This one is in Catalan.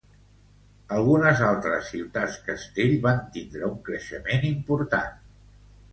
Algunes altres ciutats castell van tindre un creixement important.